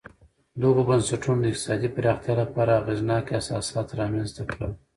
دغو بنسټونو د اقتصادي پراختیا لپاره اغېزناک اساسات رامنځته کړل